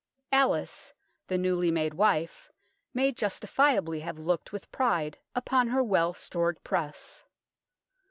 Alice, the newly made wife, may justifiably have looked with pride upon her well stored press.